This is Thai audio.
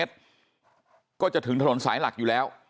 ทำให้สัมภาษณ์อะไรต่างนานไปออกรายการเยอะแยะไปหมด